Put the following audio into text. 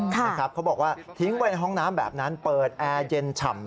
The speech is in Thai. เขาบอกว่าทิ้งไว้ในห้องน้ำแบบนั้นเปิดแอร์เย็นฉ่ำ